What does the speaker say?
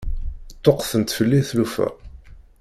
Ṭṭuqqtent fell-i tlufa.